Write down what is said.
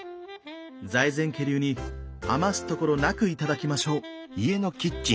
財前家流に余すところなく頂きましょう。